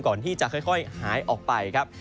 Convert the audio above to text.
ก่อนที่จะค่อยหายออกไปครับ